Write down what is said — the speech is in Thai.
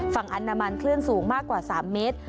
อนามันคลื่นสูงมากกว่า๓เมตร